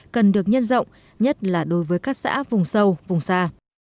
cần được nhân rộng nhất là đối với các xã vùng sâu vùng xa